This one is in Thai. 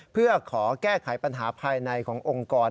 เพื่อขอแก้ไขปัญหาภายในขององค์กร